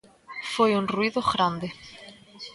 Foi un ruído grande.